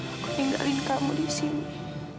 aku tinggalin kamu di sini